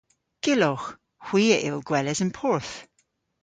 Gyllowgh. Hwi a yll gweles an porth.